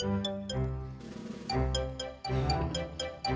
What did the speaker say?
yang di depan sama aja ah